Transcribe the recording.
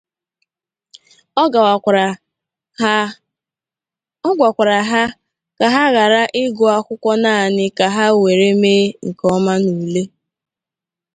Ọ gwakwara ha ka ghara ịgụ akwụkwọ naanị ka ha were mee nke ọma n'ule